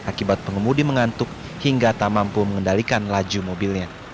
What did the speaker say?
akibat pengemudi mengantuk hingga tak mampu mengendalikan laju mobilnya